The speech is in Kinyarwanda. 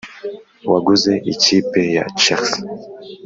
waguze ikipe ya chelsea,